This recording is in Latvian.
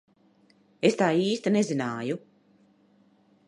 Es tā īsti nezināju.